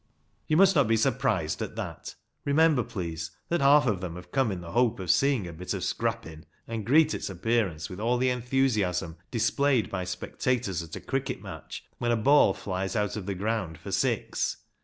You must not be surprised at that. Remember, please, that half of them have come in the hope of seeing a bit of " scrappin'," and greet its appearance with all the enthusiasm displayed by spectators at a cricket match, when a ball flies out of the ground for six